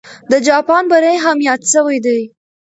د جاپان بری هم یاد سوی دی.